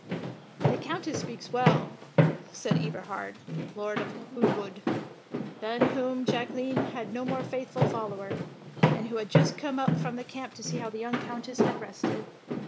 "The Countess speaks well," said Eberhard, Lord of Hoogtwoude, than whom Jacqueline had no more faithful follower, and who had just come up from the camp to see how the young Countess had rested.